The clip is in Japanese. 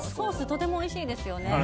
とてもおいしいですよね。